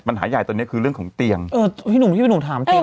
ปัญหาใหญ่ตอนเนี้ยคือเรื่องของเตียงเออพี่หนูพี่หนูถามเตียงเออ